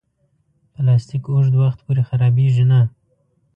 پلاستيک اوږد وخت پورې خرابېږي نه.